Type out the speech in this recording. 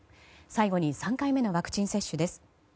最後に３回目のワクチン接種です。